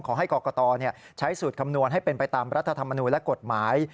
ขอให้กรกตใช้สูตรคำนวณให้เป็นไปตามรัฐธรรมนูลและกฎหมาย